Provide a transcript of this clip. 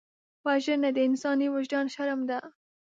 وژنه د انساني وجدان شرم ده